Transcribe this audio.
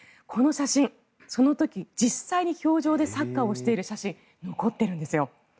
この写真、その時実際に氷上でサッカーをしている写真が残っているんですよ。